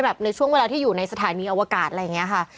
ในช่วงเวลาที่อยู่ในสถานีอวกาศอะไรอย่างนี้ค่ะ